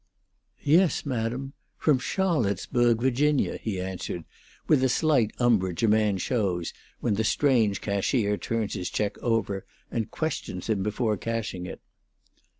"Yes, madam; from Charlottesboag, Virginia," he answered, with the slight umbrage a man shows when the strange cashier turns his check over and questions him before cashing it.